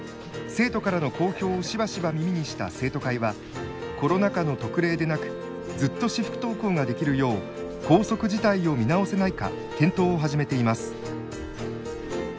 生徒からの好評をしばしば耳にした生徒会はコロナ禍の特例でなくずっと私服登校ができるよう校則自体を見直せないか検討を始めています。